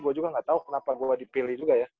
gue juga gak tahu kenapa gue dipilih juga ya